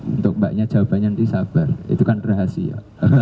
untuk mbaknya jawabannya nanti sabar itu kan rahasia